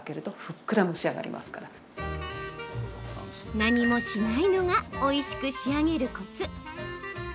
何もしないのがおいしく仕上げるコツ。